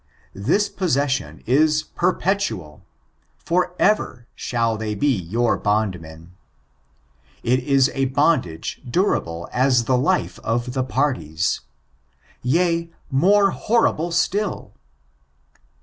This possession is perpetual — Le Olaum, for ever shall they be your bondmen. It is a bondage durable as the life of the parties. Yea, more horrible still!